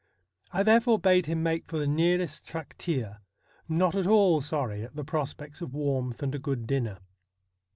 I therefore bade him make for the nearest trakteer, not at all sorry at the prospects of warmth and a good dinner.